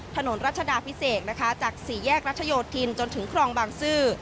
ถนนรัชดาพิเศษนะคะจากสี่แยกรัชโยธินจนถึงคลองบางซื่อ